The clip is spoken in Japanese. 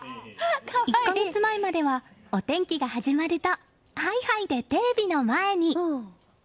１か月前まではお天気が始まるとハイハイでテレビの前に。